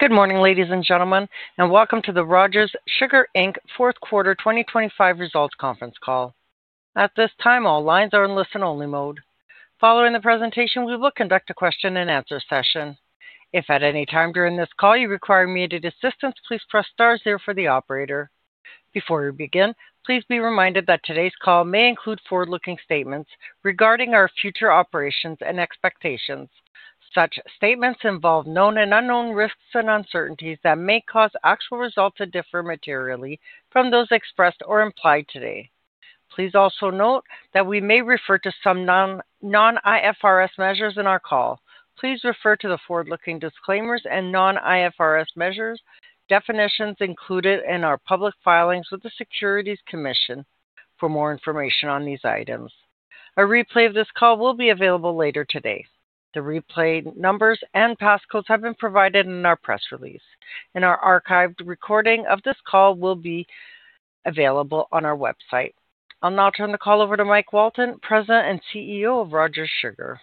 Good morning, ladies and gentlemen, and welcome to the Rogers Sugar Inc. Fourth Quarter 2025 Results Conference Call. At this time, all lines are in listen-only mode. Following the presentation, we will conduct a question-and-answer session. If at any time during this call you require immediate assistance, please press star, zero for the operator. Before we begin, please be reminded that today's call may include forward-looking statements regarding our future operations and expectations. Such statements involve known and unknown risks and uncertainties that may cause actual results to differ materially from those expressed or implied today. Please also note that we may refer to some non-IFRS measures in our call. Please refer to the forward-looking disclaimers and non-IFRS measures, definitions included in our public filings with the Securities Commission for more information on these items. A replay of this call will be available later today. The replay numbers and passcodes have been provided in our press release. An archived recording of this call will be available on our website. I'll now turn the call over to Mike Walton, President and CEO of Rogers Sugar.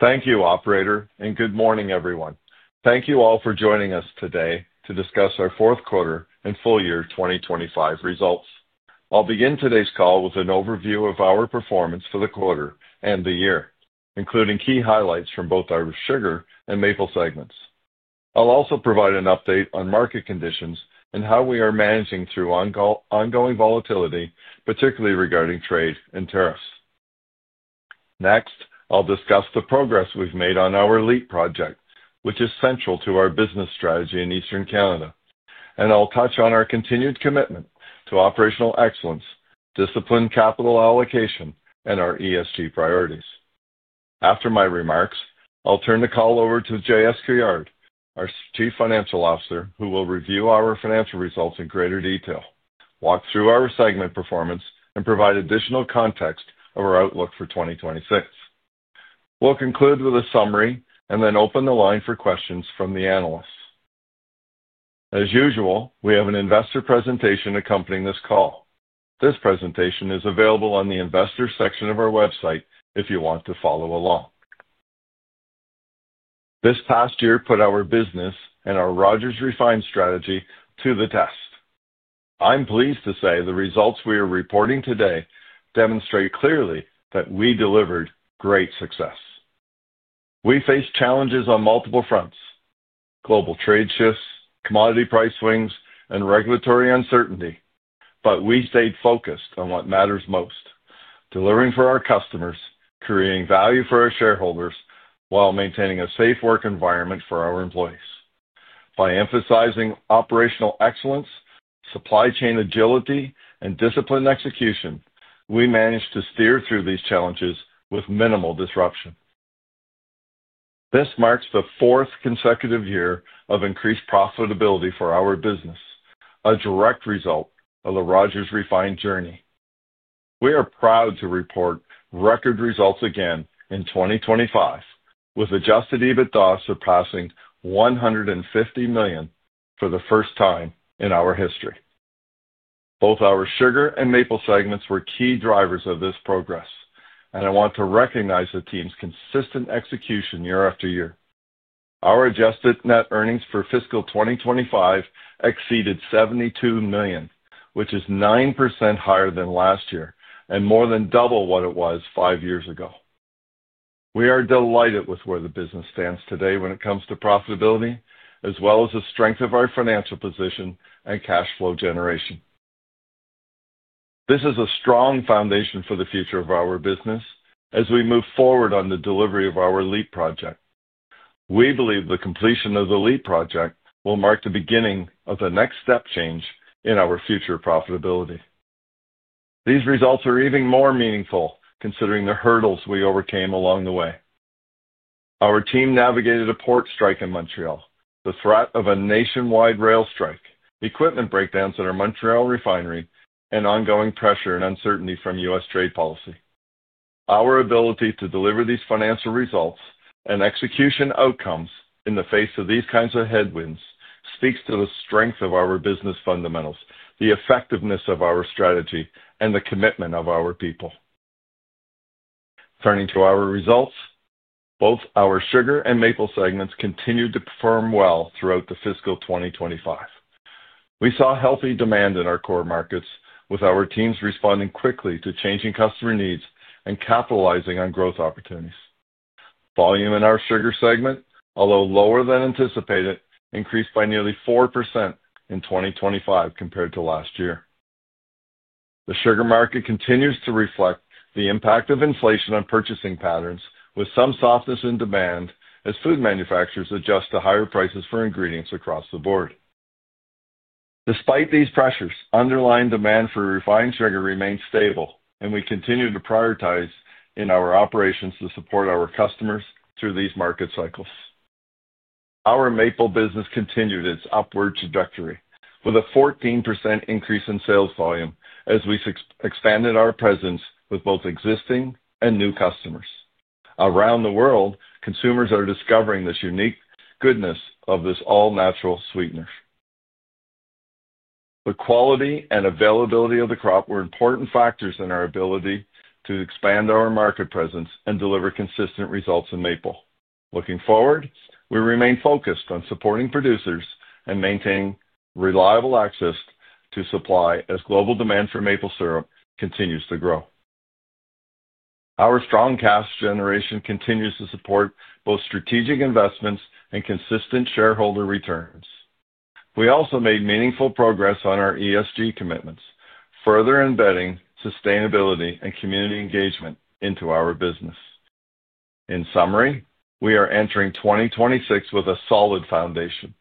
Thank you, operator. Good morning, everyone. Thank you all for joining us today to discuss our fourth quarter and full year 2025 results. I'll begin today's call with an overview of our performance for the quarter and the year, including key highlights from both our sugar and maple segments. I'll also provide an update on market conditions, and how we are managing through ongoing volatility, particularly regarding trade and tariffs. Next, I'll discuss the progress we've made on our LEAP project, which is central to our business strategy in Eastern Canada. I'll touch on our continued commitment to operational excellence, disciplined capital allocation, and our ESG priorities. After my remarks, I'll turn the call over to J. S. Couillard, our Chief Financial Officer, who will review our financial results in greater detail, walk through our segment performance, and provide additional context of our outlook for 2026. We'll conclude with a summary, and then open the line for questions from the analysts. As usual, we have an investor presentation accompanying this call. This presentation is available on the investor section of our website, if you want to follow along. This past year put our business and our Rogers Refined strategy to the test. I'm pleased to say the results we are reporting today demonstrate clearly that we delivered great success. We faced challenges on multiple fronts, global trade shifts, commodity price swings, and regulatory uncertainty, but we stayed focused on what matters most, delivering for our customers, creating value for our shareholders, while maintaining a safe work environment for our employees. By emphasizing operational excellence, supply chain agility, and disciplined execution, we managed to steer through these challenges with minimal disruption. This marks the fourth consecutive year of increased profitability for our business, a direct result of the Rogers Refined journey. We are proud to report record results again in 2025, with adjusted EBITDA surpassing 150 million for the first time in our history. Both our sugar and maple segments were key drivers of this progress, and I want to recognize the team's consistent execution year after year. Our adjusted net earnings for fiscal 2025 exceeded 72 million, which is 9% higher than last year and more than double what it was five years ago. We are delighted with where the business stands today when it comes to profitability, as well as the strength of our financial position and cash flow generation. This is a strong foundation for the future of our business as we move forward on the delivery of our LEAP project. We believe the completion of the LEAP project will mark the beginning of the next step change in our future profitability. These results are even more meaningful, considering the hurdles we overcame along the way. Our team navigated a port strike in Montreal, the threat of a nationwide rail strike, equipment breakdowns at our Montreal refinery and ongoing pressure and uncertainty from U.S. trade policy. Our ability to deliver these financial results and execution outcomes in the face of these kinds of headwinds, speaks to the strength of our business fundamentals, the effectiveness of our strategy, and the commitment of our people. Turning to our results, both our sugar and maple segments continued to perform well throughout the fiscal 2025. We saw healthy demand in our core markets, with our teams responding quickly to changing customer needs and capitalizing on growth opportunities. Volume in our sugar segment, although lower than anticipated, increased by nearly 4% in 2025 compared to last year. The sugar market continues to reflect the impact of inflation on purchasing patterns, with some softness in demand, as food manufacturers adjust to higher prices for ingredients across the board. Despite these pressures, underlying demand for refined sugar remained stable and we continue to prioritize in our operations, to support our customers through these market cycles. Our maple business continued its upward trajectory, with a 14% increase in sales volume, as we expanded our presence with both existing and new customers. Around the world, consumers are discovering this unique goodness of this all-natural sweetener. The quality and availability of the crop were important factors in our ability to expand our market presence, and deliver consistent results in maple. Looking forward, we remain focused on supporting producers and maintaining reliable access to supply, as global demand for maple syrup continues to grow. Our strong cash generation continues to support both strategic investments and consistent shareholder returns. We also made meaningful progress on our ESG commitments, further embedding sustainability and community engagement into our business. In summary, we are entering 2026 with a solid foundation,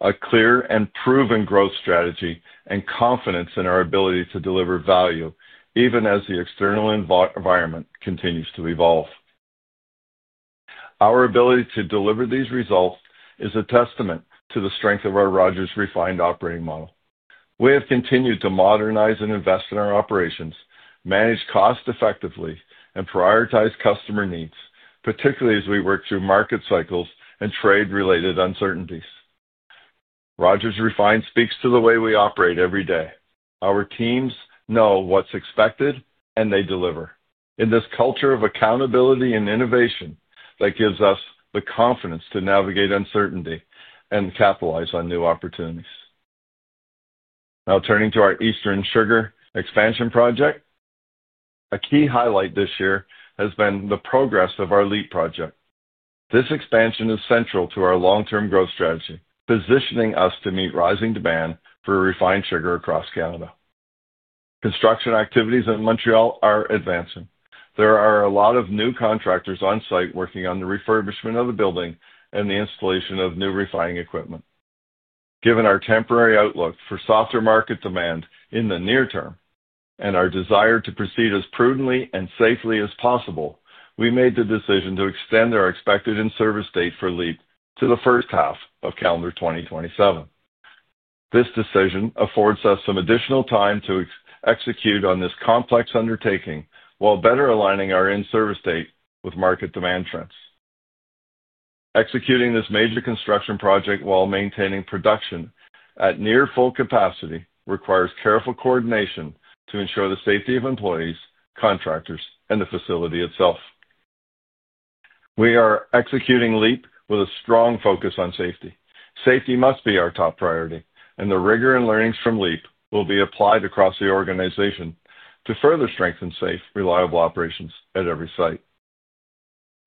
a clear and proven growth strategy and confidence in our ability to deliver value, even as the external environment continues to evolve. Our ability to deliver these results is a testament to the strength of our Rogers Refined operating model. We have continued to modernize and invest in our operations, manage costs effectively, and prioritize customer needs, particularly as we work through market cycles and trade-related uncertainties. Rogers Refined speaks to the way we operate every day. Our teams know what's expected, and they deliver. In this culture of accountability and innovation, that gives us the confidence to navigate uncertainty and capitalize on new opportunities. Now, turning to our Eastern sugar expansion project, a key highlight this year has been the progress of our LEAP project. This expansion is central to our long-term growth strategy, positioning us to meet rising demand for refined sugar across Canada. Construction activities in Montreal are advancing. There are a lot of new contractors on site working on the refurbishment of the building, and the installation of new refining equipment. Given our temporary outlook for softer market demand in the near term and our desire to proceed as prudently and safely as possible, we made the decision to extend our expected in-service date for LEAP to the first half of calendar 2027. This decision affords us some additional time to execute on this complex undertaking, while better aligning our in-service date with market demand trends. Executing this major construction project while maintaining production at near full capacity requires careful coordination, to ensure the safety of employees, contractors, and the facility itself. We are executing LEAP with a strong focus on safety. Safety must be our top priority, and the rigor and learnings from LEAP will be applied across the organization to further strengthen safe, reliable operations at every site.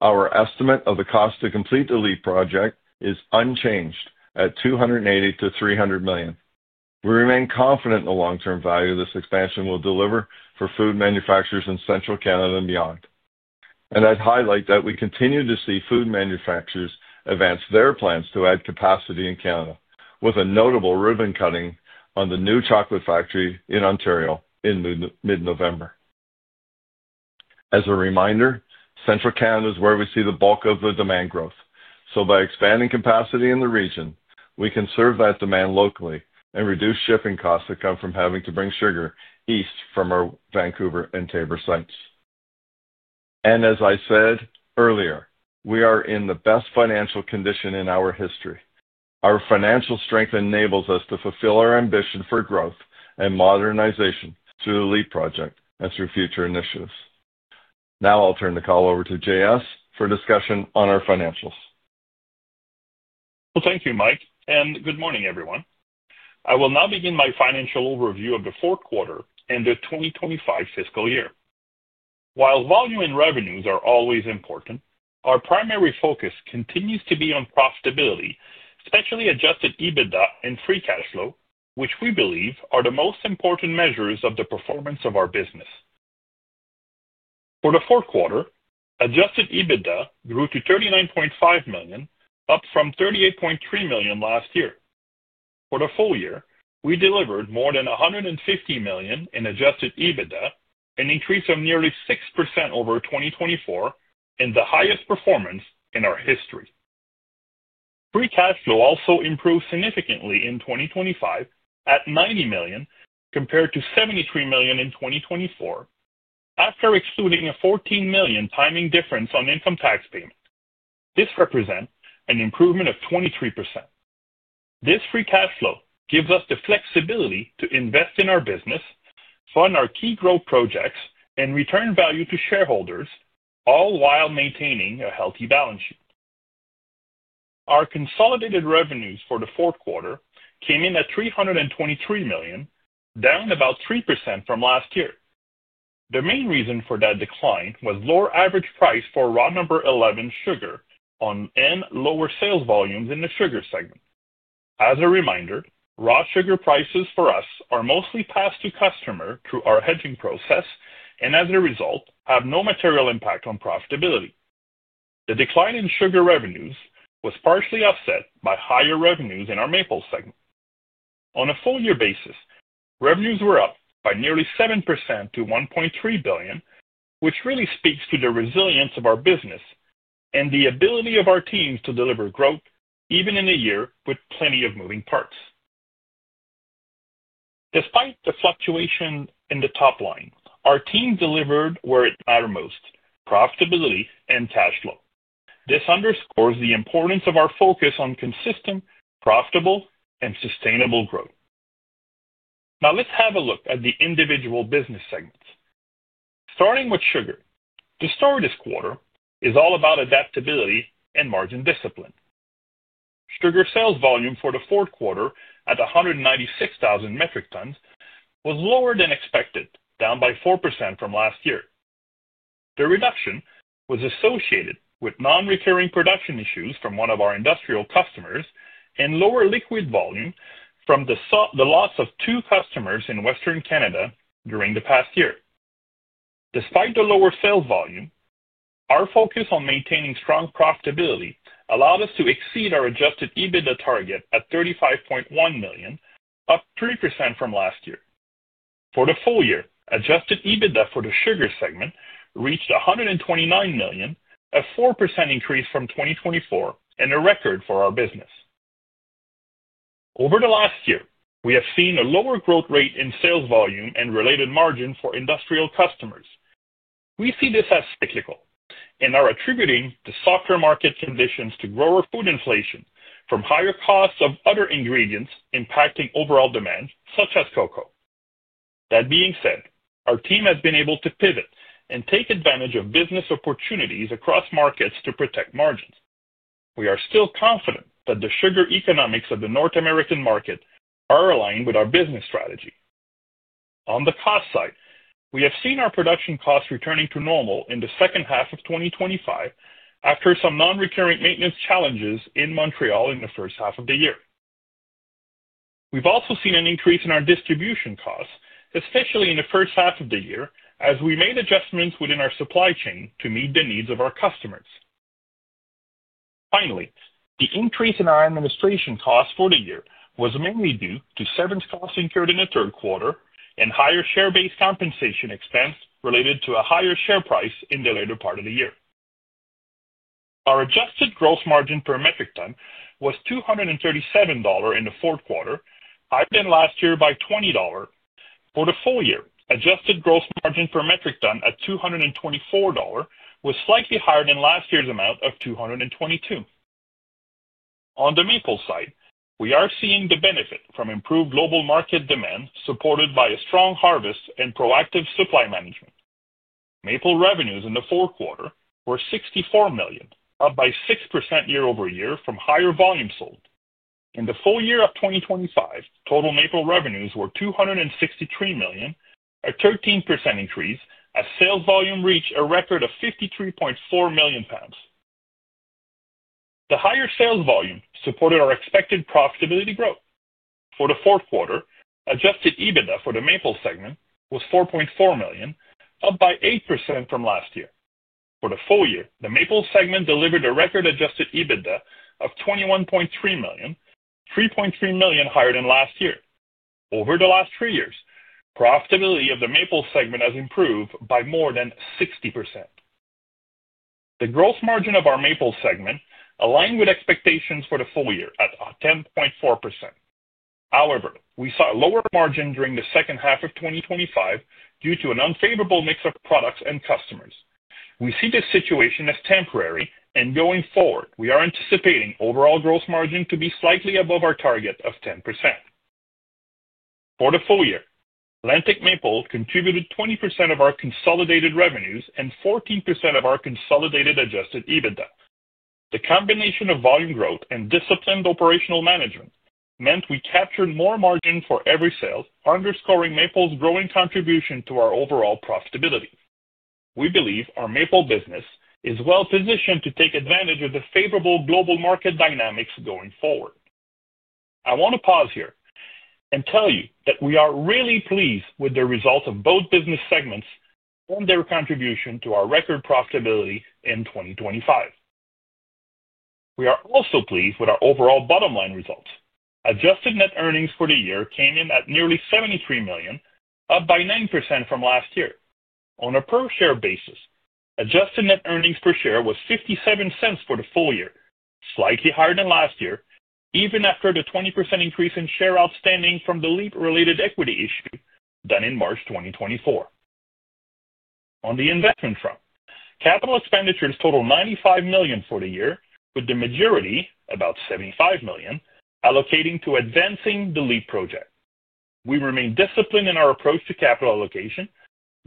Our estimate of the cost to complete the LEAP project is unchanged at 280 million-300 million. We remain confident in the long-term value, this expansion will deliver for food manufacturers in Central Canada and beyond. I would highlight that we continue to see food manufacturers advance their plans to add capacity in Canada, with a notable ribbon-cutting on the new chocolate factory in Ontario in mid-November. As a reminder, Central Canada is where we see the bulk of the demand growth. By expanding capacity in the region, we can serve that demand locally, and reduce shipping costs that come from having to bring sugar east from our Vancouver and Taber sites. As I said earlier, we are in the best financial condition in our history. Our financial strength enables us to fulfill our ambition for growth and modernization, through the LEAP project and through future initiatives. Now, I will turn the call over to J. S. for discussion on our financials. Thank you, Mike. Good morning, everyone. I will now begin my financial overview of the fourth quarter and the 2025 fiscal year. While volume and revenues are always important, our primary focus continues to be on profitability, especially adjusted EBITDA and free cash flow, which we believe are the most important measures of the performance of our business. For the fourth quarter, adjusted EBITDA grew to 39.5 million, up from 38.3 million last year. For the full year, we delivered more than 150 million in adjusted EBITDA, an increase of nearly 6% over 2024, and the highest performance in our history. Free cash flow also improved significantly in 2025, at 90 million compared to 73 million in 2024, after excluding a 14 million timing difference on income tax payment. This represents an improvement of 23%. This free cash flow gives us the flexibility to invest in our business, fund our key growth projects and return value to shareholders, all while maintaining a healthy balance sheet. Our consolidated revenues for the fourth quarter came in at CAD 323 million, down about 3% from last year. The main reason for that decline was lower average price for raw number 11 sugar and lower sales volumes in the sugar segment. As a reminder, raw sugar prices for us are mostly passed to customers through our hedging process,++ and, as a result, have no material impact on profitability. The decline in sugar revenues was partially offset by higher revenues in our maple segment. On a full-year basis, revenues were up by nearly 7% to 1.3 billion, which really speaks to the resilience of our business and the ability of our teams to deliver growth even in a year with plenty of moving parts. Despite the fluctuation in the top line, our team delivered where it mattered most, profitability and cash flow. This underscores the importance of our focus on consistent, profitable, and sustainable growth. Now, let's have a look at the individual business segments. Starting with sugar, the story this quarter is all about adaptability and margin discipline. Sugar sales volume for the fourth quarter at 196,000 mt was lower than expected, down by 4% from last year. The reduction was associated with non-recurring production issues from one of our industrial customers, and lower liquid volume from the loss of two customers in Western Canada during the past year. Despite the lower sales volume, our focus on maintaining strong profitability allowed us to exceed our adjusted EBITDA target at 35.1 million, up 3% from last year. For the full year, adjusted EBITDA for the sugar segment reached 129 million, a 4% increase from 2024 and a record for our business. Over the last year, we have seen a lower growth rate in sales volume and related margin for industrial customers. We see this as cyclical, and are attributing the softer market conditions to greater food inflation from higher costs of other ingredients impacting overall demand, such as cocoa. That being said, our team has been able to pivot, and take advantage of business opportunities across markets to protect margins. We are still confident that the sugar economics of the North American market are aligned with our business strategy. On the cost side, we have seen our production costs returning to normal in the second half of 2025, after some non-recurring maintenance challenges in Montreal in the first half of the year. We've also seen an increase in our distribution costs, especially in the first half of the year, as we made adjustments within our supply chain, to meet the needs of our customers. Finally, the increase in our administration costs for the year was mainly due to severance costs incurred in the third quarter, and higher share-based compensation expense related to a higher share price in the later part of the year. Our adjusted gross margin per metric ton was 237 dollars in the fourth quarter, higher than last year by 20 dollars. For the full year, adjusted gross margin per metric ton at 224 dollars was slightly higher than last year's amount of 222. On the maple side, we are seeing the benefit, from improved global market demand supported by a strong harvest and proactive supply management. Maple revenues in the fourth quarter were 64 million, up by 6% year-over-year from higher volume sold. In the full year of 2025, total maple revenues were 263 million, a 13% increase, as sales volume reached a record of 53.4 million lb. The higher sales volume supported our expected profitability growth. For the fourth quarter, adjusted EBITDA for the maple segment was 4.4 million, up by 8% from last year. For the full year, the maple segment delivered a record adjusted EBITDA of 21.3 million, 3.3 million higher than last year. Over the last three years, profitability of the maple segment has improved by more than 60%. The gross margin of our maple segment aligned with expectations for the full year at 10.4%. However, we saw a lower margin during the second half of 2025, due to an unfavorable mix of products and customers. We see this situation as temporary, and going forward, we are anticipating overall gross margin to be slightly above our target of 10%. For the full year, Lantic Maple contributed 20% of our consolidated revenues and 14% of our consolidated adjusted EBITDA. The combination of volume growth and disciplined operational management, meant we captured more margin for every sale, underscoring maple's growing contribution to our overall profitability. We believe our maple business is well-positioned to take advantage of the favorable global market dynamics going forward. I want to pause here and tell you that we are really pleased with the results of both business segments, and their contribution to our record profitability in 2025. We are also pleased with our overall bottom-line results. Adjusted net earnings for the year came in at nearly 73 million, up by 9% from last year. On a per-share basis, adjusted net earnings per share was 0.57 for the full year, slightly higher than last year, even after the 20% increase in shares outstanding from the LEAP-related equity issue done in March 2024. On the investment front, capital expenditures totaled 95 million for the year, with the majority, about 75 million, allocated to advancing the LEAP project. We remain disciplined in our approach to capital allocation,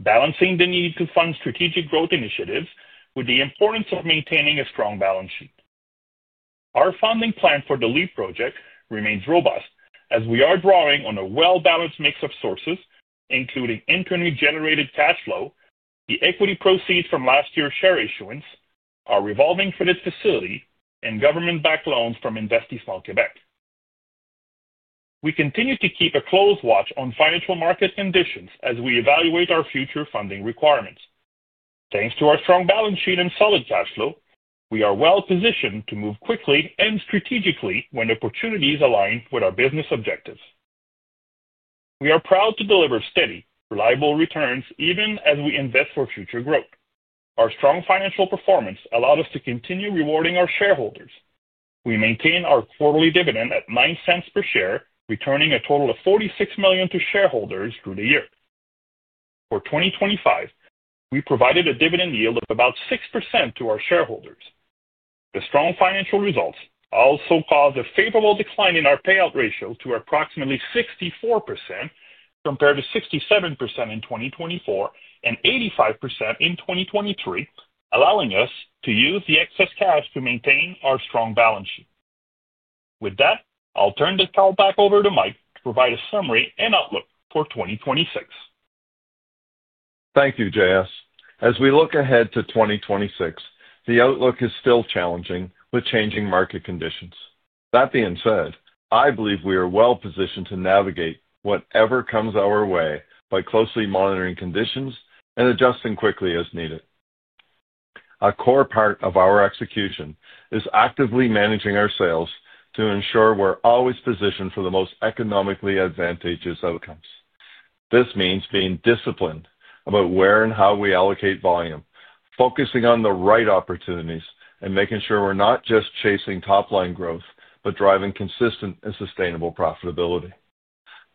balancing the need to fund strategic growth initiatives with the importance of maintaining a strong balance sheet. Our funding plan for the LEAP project remains robust, as we are drawing on a well-balanced mix of sources, including internally generated cash flow, the equity proceeds from last year's share issuance, our revolving credit facility, and government-backed loans from Investissement Québec. We continue to keep a close watch on financial market conditions, as we evaluate our future funding requirements. Thanks to our strong balance sheet and solid cash flow, we are well-positioned to move quickly and strategically when opportunities align with our business objectives. We are proud to deliver steady, reliable returns ,even as we invest for future growth. Our strong financial performance allowed us to continue rewarding our shareholders. We maintain our quarterly dividend at 0.09 per share, returning a total of 46 million to shareholders through the year. For 2025, we provided a dividend yield of about 6% to our shareholders. The strong financial results also caused a favorable decline in our payout ratio to approximately 64% compared to 67% in 2024, and 85% in 2023, allowing us to use the excess cash to maintain our strong balance sheet. With that, I'll turn the call back over to Mike, to provide a summary and outlook for 2026. Thank you, J. S. As we look ahead to 2026, the outlook is still challenging with changing market conditions. That being said, I believe we are well-positioned to navigate whatever comes our way by closely monitoring conditions and adjusting quickly as needed. A core part of our execution is actively managing our sales, to ensure we're always positioned for the most economically advantageous outcomes. This means being disciplined about where and how we allocate volume, focusing on the right opportunities and making sure we're not just chasing top-line growth, but driving consistent and sustainable profitability.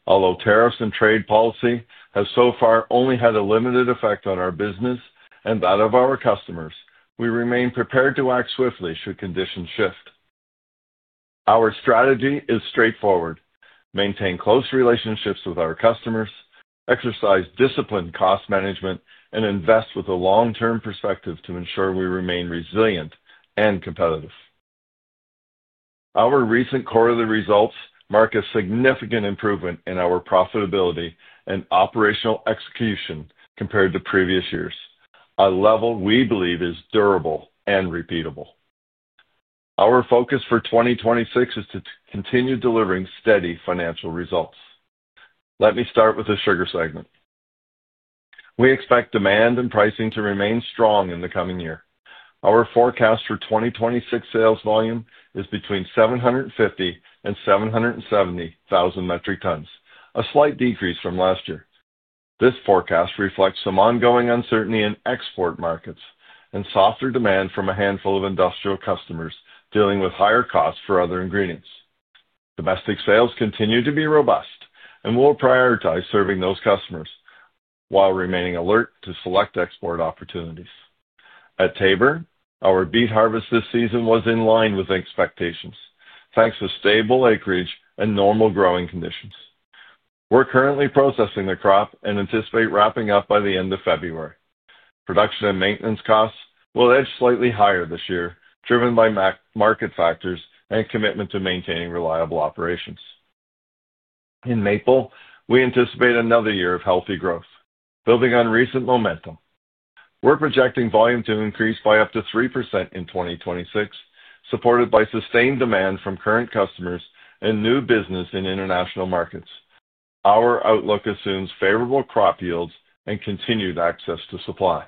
Although tariffs and trade policy have so far only had a limited effect on our business and that of our customers, we remain prepared to act swiftly should conditions shift. Our strategy is straightforward, maintain close relationships with our customers, exercise disciplined cost management, and invest with a long-term perspective to ensure we remain resilient and competitive. Our recent quarterly results, mark a significant improvement in our profitability and operational execution compared to previous years, a level we believe is durable and repeatable. Our focus for 2026 is to continue delivering steady financial results. Let me start with the sugar segment. We expect demand and pricing to remain strong in the coming year. Our forecast for 2026 sales volume is between 750,000 mt and 770,000 mt, a slight decrease from last year. This forecast reflects some ongoing uncertainty in export markets, and softer demand from a handful of industrial customers dealing with higher costs for other ingredients. Domestic sales continue to be robust, and we will prioritize serving those customers while remaining alert to select export opportunities. At Taber, our beet harvest this season was in line with expectations, thanks to stable acreage and normal growing conditions. We're currently processing the crop, and anticipate wrapping up by the end of February. Production and maintenance costs will edge slightly higher this year, driven by market factors and commitment to maintaining reliable operations. In Maple, we anticipate another year of healthy growth, building on recent momentum. We're projecting volume to increase by up to 3% in 2026, supported by sustained demand from current customers and new business in international markets. Our outlook assumes favorable crop yields, and continued access to supply.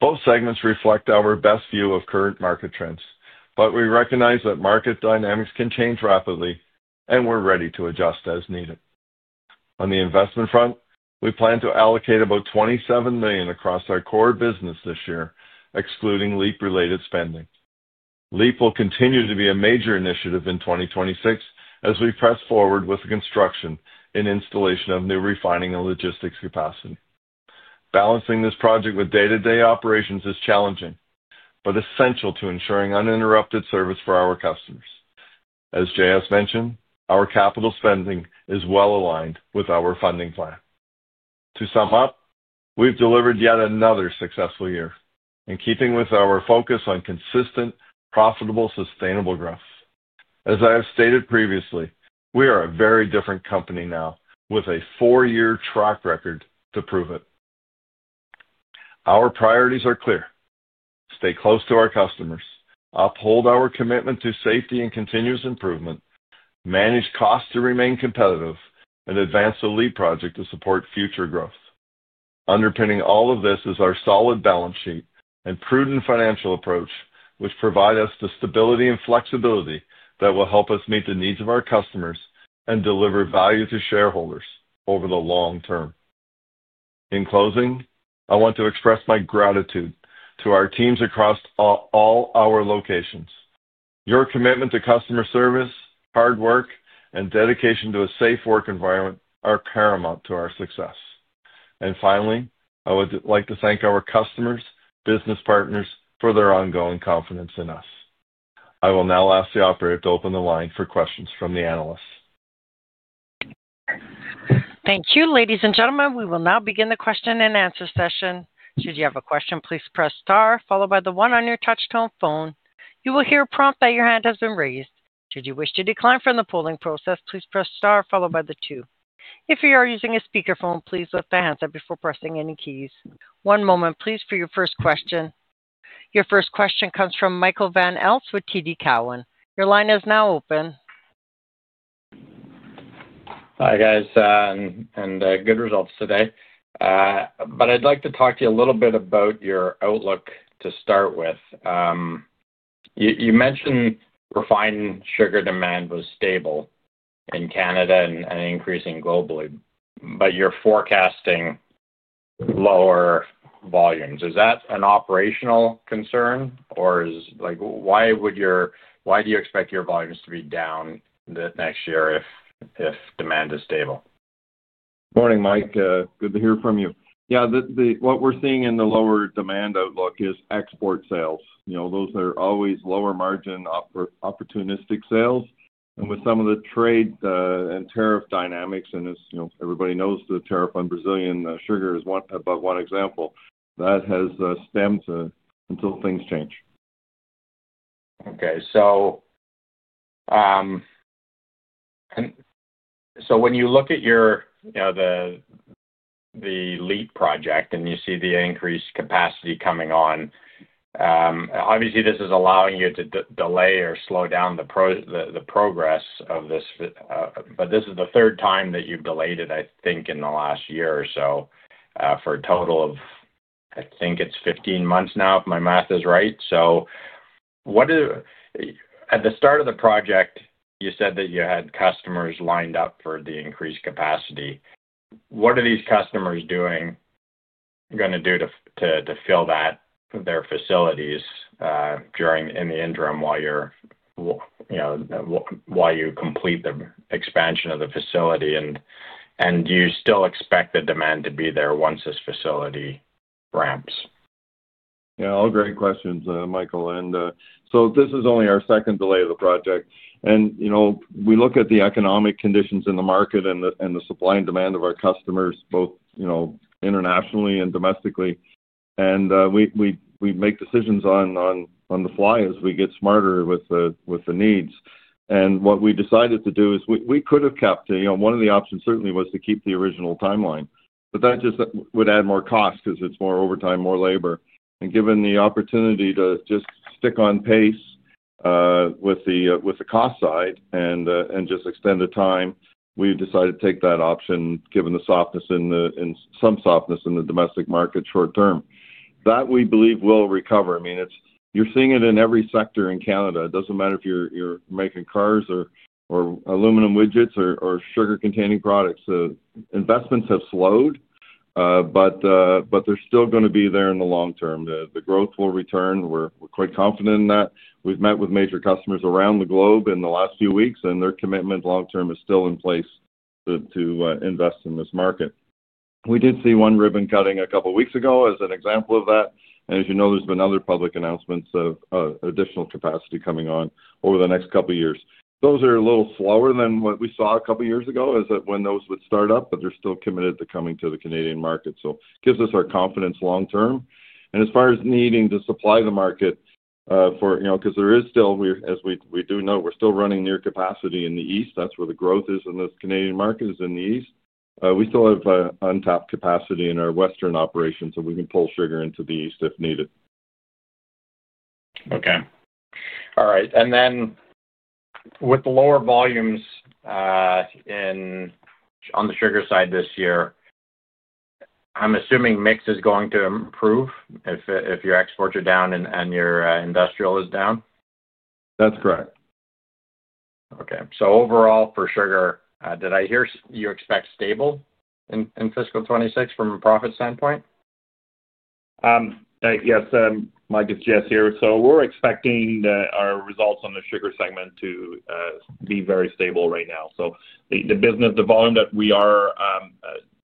Both segments reflect our best view of current market trends, but we recognize that market dynamics can change rapidly and we're ready to adjust as needed. On the investment front, we plan to allocate about 27 million across our core business this year, excluding LEAP-related spending. LEAP will continue to be a major initiative in 2026 as we press forward with the construction and installation of new refining and logistics capacity. Balancing this project with day-to-day operations is challenging, but essential to ensuring uninterrupted service for our customers. As J. S. mentioned, our capital spending is well-aligned with our funding plan. To sum up, we've delivered yet another successful year in keeping with our focus on consistent, profitable, sustainable growth. As I have stated previously, we are a very different company now, with a four-year track record to prove it. Our priorities are clear, stay close to our customers, uphold our commitment to safety and continuous improvement, manage costs to remain competitive and advance the LEAP project to support future growth. Underpinning all of this is our solid balance sheet and prudent financial approach, which provide us the stability and flexibility that will help us meet the needs of our customers and deliver value to shareholders over the long term. In closing, I want to express my gratitude to our teams across all our locations. Your commitment to customer service, hard work, and dedication to a safe work environment are paramount to our success. Finally, I would like to thank our customers and business partners for their ongoing confidence in us. I will now ask the operator to open the line for questions from the analysts. Thank you, ladies and gentlemen. We will now begin the question-and-answer session. Should you have a question, please press star, followed by the one on your touch-tone phone. You will hear a prompt that your hand has been raised. Should you wish to decline from the polling process, please press star, followed by the two. If you are using a speakerphone, please lift your hand up before pressing any keys. One moment, please for your first question. Your first question comes from Michael Van Aelst with TD Cowen. Your line is now open. Hi, guys. Good results today. I'd like to talk to you a little bit about your outlook to start with. You mentioned refined sugar demand was stable in Canada and increasing globally, but you're forecasting lower volumes. Is that an operational concern, or why do you expect your volumes to be down next year if demand is stable? Morning, Mike. Good to hear from you. Yeah, what we're seeing in the lower demand outlook is export sales. Those are always lower margin opportunistic sales. With some of the trade and tariff dynamics, and as everybody knows, the tariff on Brazilian sugar is one example, that has stemmed until things change. Okay. When you look at the LEAP project and you see the increased capacity coming on, obviously this is allowing you to delay or slow down the progress of this, but this is the third time that you've delayed it, I think in the last year or so for a total of, I think it's 15 months now, if my math is right. At the start of the project, you said that you had customers lined up for the increased capacity. What are these customers going to do to fill their facilities in the interim while you complete the expansion of the facility? Do you still expect the demand to be there once this facility ramps? Yeah, all great questions, Michael. This is only our second delay of the project. We look at the economic conditions in the market and the supply and demand of our customers, both internationally and domestically. We make decisions on the fly as we get smarter with the needs. What we decided to do is, one of the options certainly was to keep the original timeline, but that just would add more cost because it is more overtime, more labor. Given the opportunity to just stick on pace with the cost side and just extend the time, we have decided to take that option, given some softness in the domestic market short term. That we believe will recover. I mean, you are seeing it in every sector in Canada. It does not matter if you are making cars or aluminum widgets, or sugar-containing products. Investments have slowed, but they're still going to be there in the long term. The growth will return. We're quite confident in that. We've met with major customers around the globe in the last few weeks, and their commitment long term is still in place to invest in this market. We did see one ribbon-cutting a couple of weeks ago as an example of that. As you know, there's been other public announcements of additional capacity coming on over the next couple of years. Those are a little slower than what we saw a couple of years ago, is that when those would start up, but they're still committed to coming to the Canadian market. It gives us our confidence long-term. As far as needing to supply the market, as we do know, we're still running near capacity in the east. That's where the growth is in this Canadian market, is in the east. We still have untapped capacity in our Western operations, so we can pull sugar into the east if needed. Okay, all right. With the lower volumes on the sugar side this year, I'm assuming mix is going to improve if your exports are down and your industrial is down. That's correct. Okay. Overall for sugar, did I hear you expect stable in fiscal 2026 from a profit standpoint? Yes. Mike, it's J.S. here. We are expecting our results on the sugar segment to be very stable right now. The volume that we are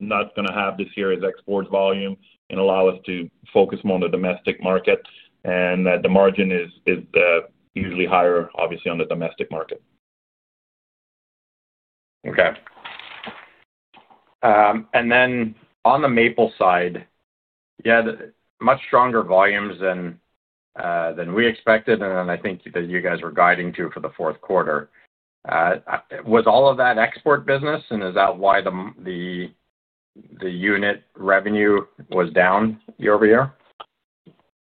not going to have this year is export volume, and allows us to focus more on the domestic market and the margin is usually higher obviously on the domestic market. Okay. On the Maple side, you had much stronger volumes than we expected, and I think that you guys were guiding to for the fourth quarter. Was all of that export business, and is that why the unit revenue was down year-over-year?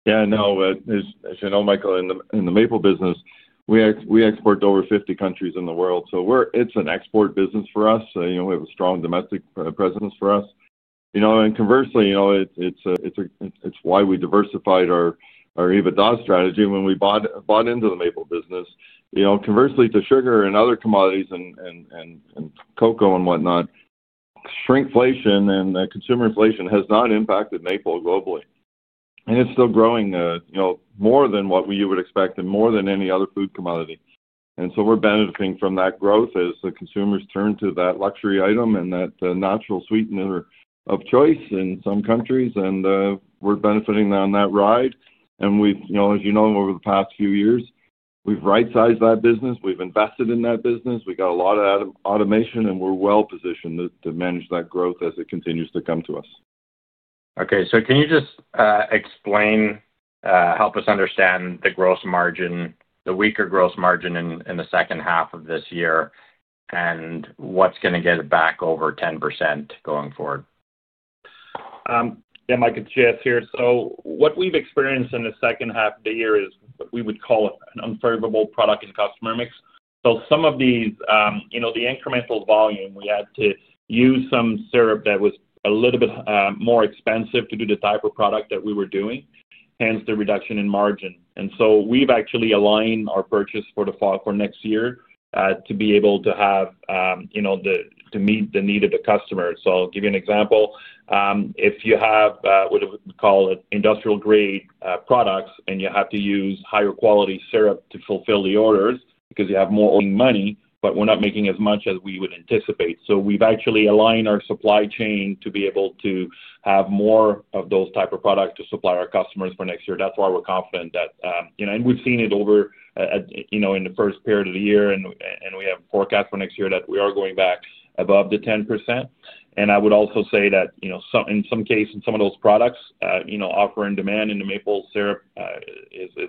Yeah. No, as you know, Michael, in the maple business, we export to over 50 countries in the world. It is an export business for us. We have a strong domestic presence for us. Conversely, it is why we diversified our EBITDA strategy when we bought into the maple business. Conversely, to sugar and other commodities and cocoa and whatnot, shrinkflation and consumer inflation has not impacted maple globally. It is still growing more than what you would expect, and more than any other food commodity. We are benefiting from that growth as the consumers turn to that luxury item, and that natural sweetener of choice in some countries and we are benefiting on that ride. As you know, over the past few years, we have right-sized that business. We have invested in that business. We got a lot of automation, and we're well-positioned to manage that growth as it continues to come to us. Okay. Can you just help us understand the weaker gross margin in the second half of this year, and what's going to get it back over 10% going forward? Yeah, Mike it's J.S, here. What we've experienced in the second half of the year is what we would call an unfavorable product and customer mix. Some of the incremental volume, we had to use some syrup that was a little bit more expensive to do the type of product that we were doing, hence the reduction in margin. We've actually aligned our purchase for next year, to be able to have to meet the need of the customer. I'll give you an example. If you have what we call industrial-grade products, and you have to use higher quality syrup to fulfill the orders because you have more [owed] money, but we're not making as much as we would anticipate, so we've actually aligned our supply chain to be able to have more of those types of products to supply our customers for next year. That's why we're confident, and we've seen it over in the first period of the year and we have forecast for next year that we are going back above the 10%. I would also say that in some cases, some of those products offering demand in the maple syrup is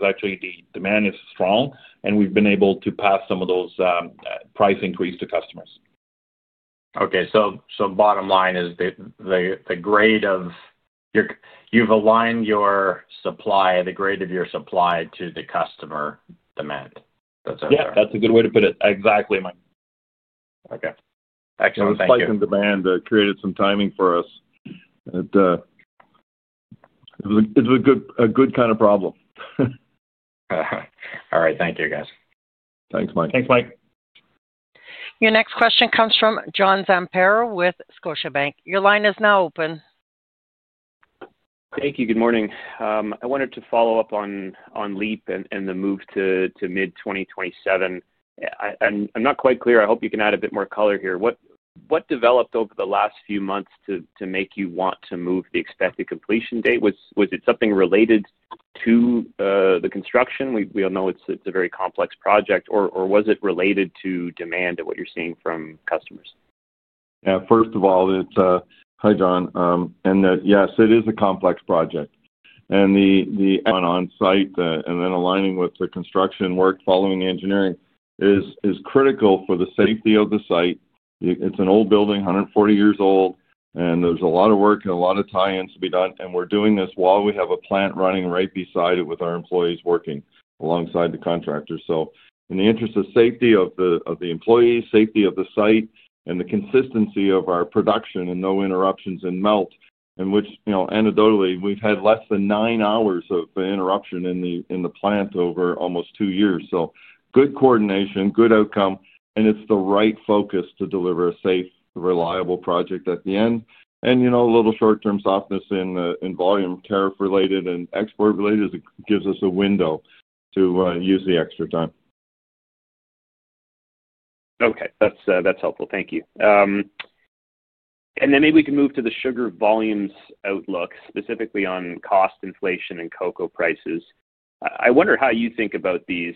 actually, the demand is strong and we've been able to pass some of those price increases to customers. Okay. Bottom line is the grade of, you've aligned the grade of your supply to the customer demand. That's right? Yeah, that's a good way to put it. Exactly, Mike. Okay, excellent. Thank you. The price and demand created some timing for us, but it's a good kind of problem. All right. Thank you, guys. Thanks, Mike. Thanks, Mike. Your next question comes from John Zamparo with Scotiabank. Your line is now open. Thank you. Good morning. I wanted to follow up on LEAP and the move to mid-2027. I'm not quite clear. I hope you can add a bit more color here. What developed over the last few months to make you want to move the expected completion date? Was it something related to the construction? We all know it's a very complex project, or was it related to demand and what you're seeing from customers? Yeah. First of all, hi, John. Yes, it is a complex project. The on-site and then aligning with the construction work following engineering is critical for the safety of the site. It's an old building, 140 years old, and there's a lot of work and a lot of tie-ins to be done. We're doing this while we have a plant running right beside it, with our employees working alongside the contractor. In the interest of safety of the employees, safety of the site, and the consistency of our production and no interruptions in melt, in which anecdotally, we've had less than nine hours of interruption in the plant over almost two years. Good coordination, good outcome, and it's the right focus to deliver a safe, reliable project at the end. A little short-term softness in volume, tariff-related and export-related gives us a window to use the extra time. Okay, that's helpful. Thank you. Maybe we can move to the sugar volumes outlook, specifically on cost, inflation, and cocoa prices. I wonder how you think about these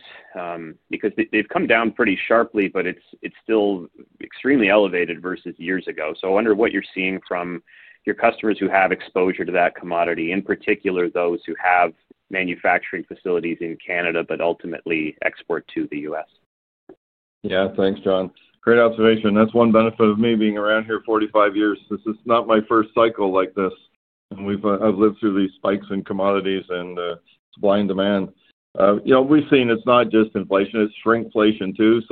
because they've come down pretty sharply, but it's still extremely elevated versus years ago. I wonder what you're seeing from your customers who have exposure to that commodity, in particular those who have manufacturing facilities in Canada, but ultimately export to the U.S. Yeah. Thanks, John. Great observation. That's one benefit of me being around here 45 years. This is not my first cycle like this. I've lived through these spikes in commodities, and supply and demand. We've seen it's not just inflation. It's shrinkflation too.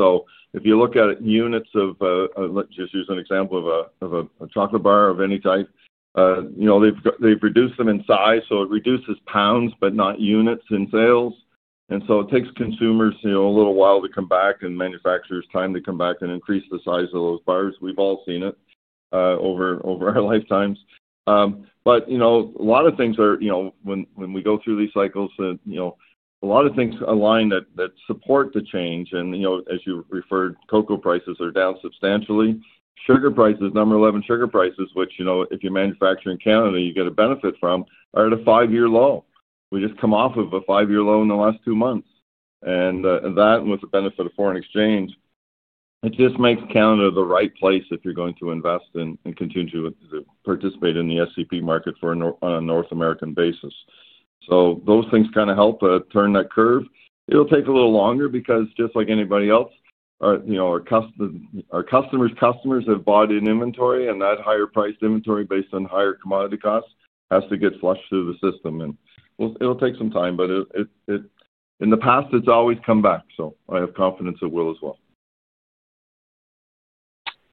If you look at units of, let's just use an example of a chocolate bar of any type. They've reduced them in size, so it reduces pounds but not units in sales. It takes consumers a little while to come back, and manufacturers time to come back and increase the size of those bars. We've all seen it over our lifetimes. When we go through these cycles, a lot of things align that support the change. As you referred, cocoa prices are down substantially. Number 11, sugar prices, which if you manufacture in Canada, you get a benefit from, are at a five-year low. We've just come off of a five-year low in the last two months. That, with the benefit of foreign exchange, just makes Canada the right place if you're going to invest and continue to participate in the SCP market on a North American basis. Those things kind of help turn that curve. It'll take a little longer because just like anybody else, our customers' customers have bought in inventory, and that higher-priced inventory based on higher commodity costs has to get flushed through the system. It'll take some time, but in the past, it's always come back, so I have confidence it will as well.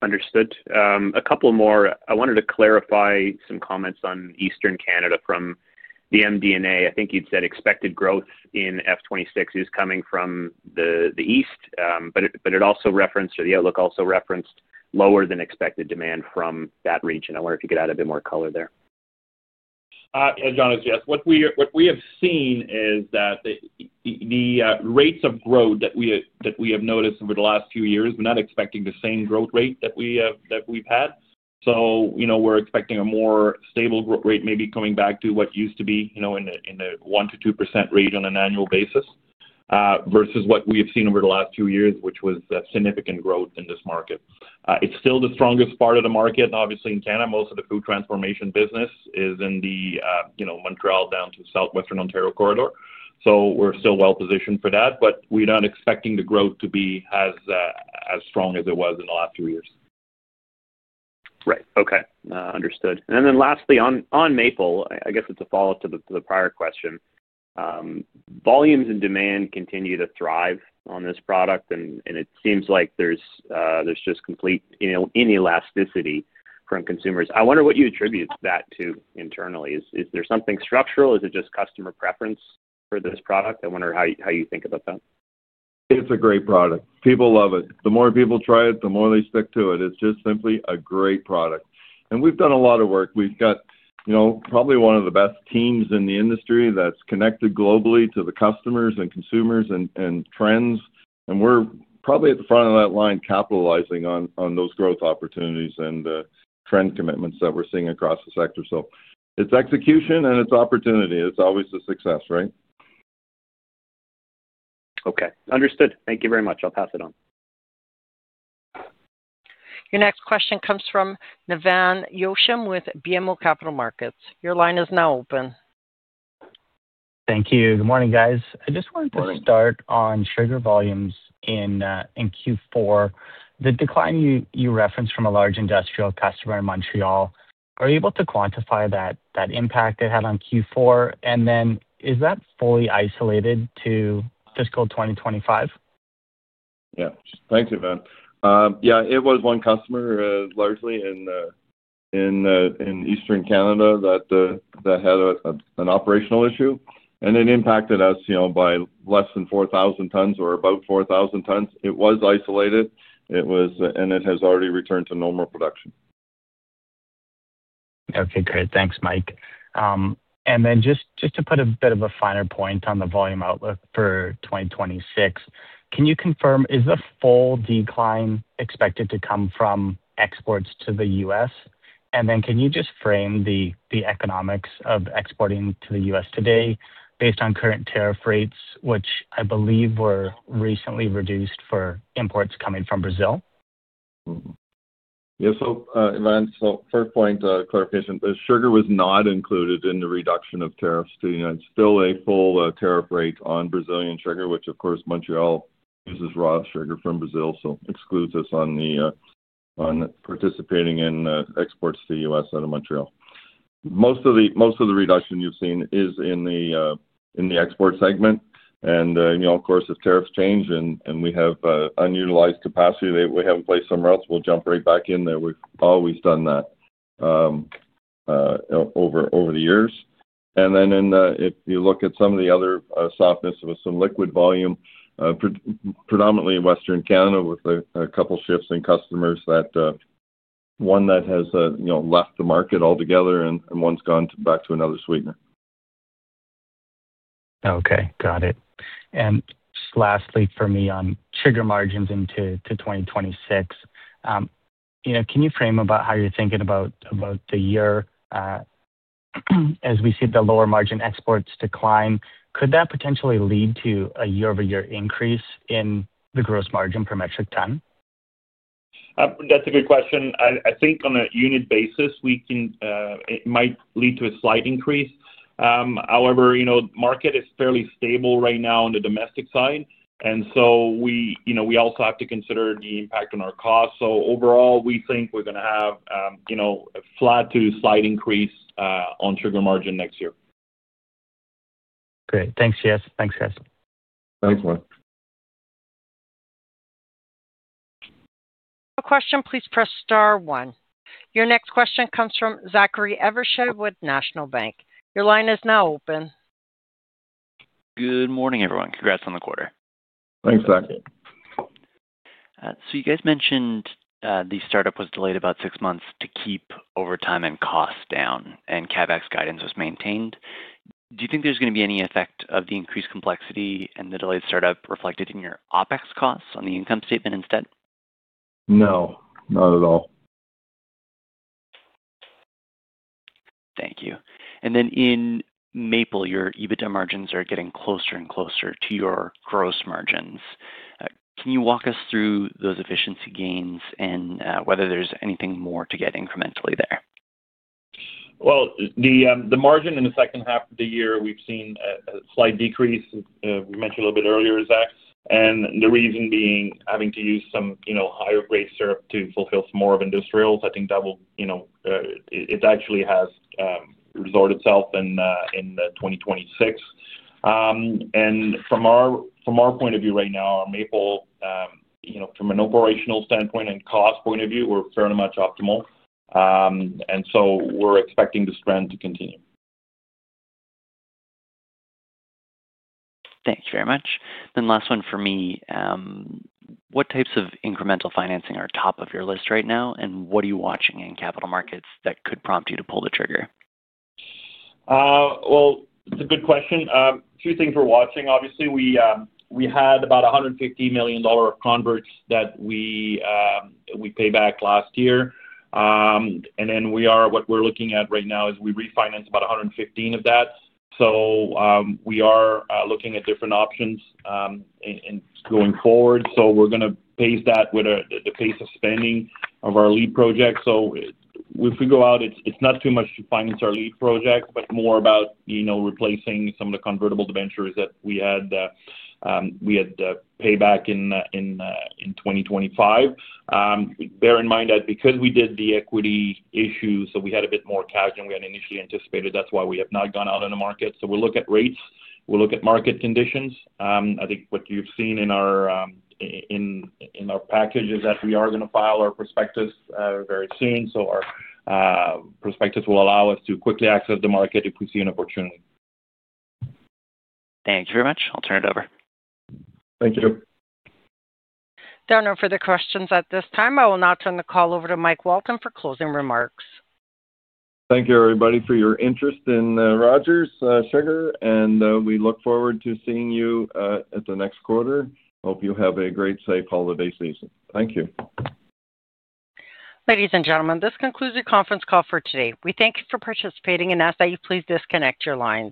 Understood. A couple more, I wanted to clarify some comments on Eastern Canada from the MD&A. I think you'd said expected growth in F26 is coming from the east, but the outlook also referenced lower-than-expected demand from that region. I wonder if you could add a bit more color there. It's J.S. here. What we have seen is that the rates of growth that we have noticed over the last few years, we're not expecting the same growth rate that we've had. We're expecting a more stable growth rate, maybe coming back to what used to be in the 1%-2% rate on an annual basis versus what we have seen over the last two years, which was significant growth in this market. It's still the strongest part of the market. Obviously, in Canada, most of the food transformation business is in the Montreal down to southwestern Ontario corridor. We're still well-positioned for that, but we're not expecting the growth to be as strong as it was in the last two years. Right, okay. Understood. Lastly, on Maple, I guess it's a follow-up to the prior question. Volumes and demand continue to thrive on this product, and it seems like there's just complete inelasticity from consumers. I wonder what you attribute that to internally. Is there something structural? Is it just customer preference for this product? I wonder how you think about that. It's a great product, people love it. The more people try it, the more they stick to it. It's just simply a great product. We've done a lot of work. We've got probably one of the best teams in the industry that's connected globally to the customers, and consumers and trends. We're probably at the front of that line capitalizing on those growth opportunities, and trend commitments that we're seeing across the sector. It's execution and it's opportunity. It's always a success, right? Okay, understood. Thank you very much. I'll pass it on. Your next question comes from Nevan Yochim with BMO Capital Markets. Your line is now open. Thank you. Good morning, guys. I just wanted to start on sugar volumes in Q4. The decline you referenced from a large industrial customer in Montreal, are you able to quantify that impact it had on Q4? Is that fully isolated to fiscal 2025? Yeah. Thank you, Nevan. Yeah. It was one customer largely in Eastern Canada that had an operational issue, and it impacted us by less than 4,000 t or about 4,000 t. It was isolated, and it has already returned to normal production. Okay, great. Thanks, Mike. Just to put a bit of a finer point on the volume outlook for 2026, can you confirm, is the full decline expected to come from exports to the U.S.? Can you just frame the economics of exporting to the U.S. today based on current tariff rates, which I believe were recently reduced for imports coming from Brazil? Yeah. First point, the clarification. The sugar was not included in the reduction of tariffs. It's still a full tariff rate on Brazilian sugar, which of course, Montreal uses raw sugar from Brazil, so excludes us on participating in exports to the U.S. out of Montreal. Most of the reduction you have seen is in the export segment. Of course, if tariffs change and we have unutilized capacity that we have not placed somewhere else, we will jump right back in there. We have always done that over the years. If you look at some of the other softness with some liquid volume, predominantly in Western Canada, with a couple of shifts in customers, one has left the market altogether and one has gone back to another sweetener. Okay, got it. Just lastly from me on sugar margins into 2026, can you frame about how you're thinking about the year as we see the lower margin exports decline? Could that potentially lead to a year-over-year increase in the gross margin per metric ton? That's a good question. I think on a unit basis, it might lead to a slight increase. However, the market is fairly stable right now on the domestic side. We also have to consider the impact on our costs. Overall, we think we're going to have a flat to slight increase on sugar margin next year. Great. Thanks, J.S. Thanks, Nevan. For a question, please press star, one. Your next question comes from Zachary Evershed with National Bank. Your line is now open. Good morning, everyone. Congrats on the quarter. Thanks, Zachary. You guys mentioned the startup was delayed about six months, to keep overtime and costs down and CapEx guidance was maintained. Do you think there's going to be any effect of the increased complexity, and the delayed startup reflected in your OpEx costs on the income statement instead? No, not at all. Thank you. In maple, your EBITDA margins are getting closer and closer to your gross margins. Can you walk us through those efficiency gains, and whether there's anything more to get incrementally there? The margin in the second half of the year, we've seen a slight decrease. We mentioned a little bit earlier, Zach, and the reason being, having to use some higher-grade syrup to fulfill some more of industrials. I think that actually has restored itself in 2026. From our point of view right now, our maple, from an operational standpoint and cost point of view, we're fairly much optimal and so we are expecting the trend to continue. Thanks very much. Last one from me. What types of incremental financing are top of your list right now, and what are you watching in capital markets that could prompt you to pull the trigger? It's a good question. Two things we're watching obviously. We had about 150 million dollar of converts that we paid back last year. What we're looking at right now is, we refinanced about 115 million of that. We are looking at different options going forward. We're going to pace that with the pace of spending of our LEAP project. If we go out, it's not too much to finance our LEAP project, but more about replacing some of the convertible ventures that we had pay back in 2025. Bear in mind that because we did the equity issue, so we had a bit more cash than we had initially anticipated. That's why we have not gone out on the market. We'll look at rates. We'll look at market conditions. I think what you've seen in our package is that we are going to file our prospectus very soon. Our prospectus will allow us to quickly access the market if we see an opportunity. Thank you very much. I'll turn it over. Thank you too. There are no further questions at this time. I will now turn the call over to Mike Walton for closing remarks. Thank you, everybody, for your interest in Rogers Sugar. We look forward to seeing you at the next quarter. Hope you have a great, safe holiday season. Thank you. Ladies and gentlemen, this concludes the conference call for today. We thank you for participating, and ask that you please disconnect your lines.